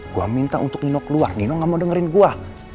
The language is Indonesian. gue minta untuk nino keluar nino nggak mau dengerin gue